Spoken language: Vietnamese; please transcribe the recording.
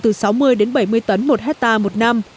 từ sáu mươi đến bảy mươi tấn một hectare một năm